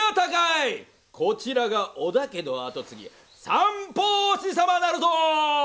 こちらが織田家の後継ぎ三法師様なるぞ！